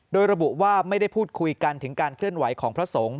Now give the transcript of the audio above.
โดยระบุว่าไม่ได้พูดคุยกันถึงการเคลื่อนไหวของพระสงฆ์